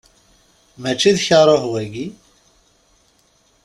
Mačči d karuh, wagi?